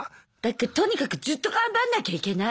とにかくずっと頑張んなきゃいけない。